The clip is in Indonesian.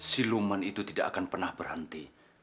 siluman itu tidak akan pernah berhenti